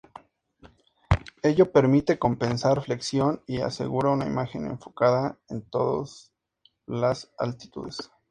Ello permite compensar flexión y asegura una imagen enfocada en todos las altitudes.